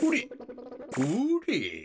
ほれ。